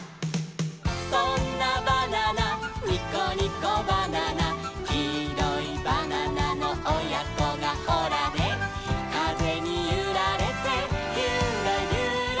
「そんなバナナニコニコバナナ」「きいろいバナナのおやこがホラネ」「かぜにゆられてユラユラ」